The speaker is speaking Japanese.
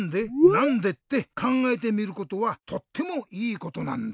なんで？」ってかんがえてみることはとってもいいことなんだ。